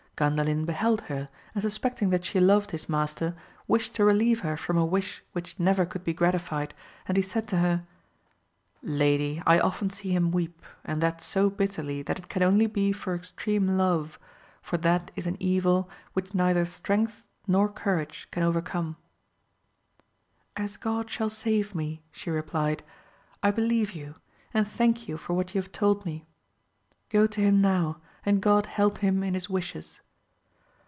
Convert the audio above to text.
Gandalin beheld her, and suspecting that she loved his master wished to relieve her from a wish which never could be gi atified, and he said to her, Lady, I often see him weep, and that so bitterly that it can only be for extreme love, for that is an evil which neither strength nor courage can overcome. As God shall save me, she replied, I believe you, and thank you for what you have told me ; go to him now, and God help him in his wishes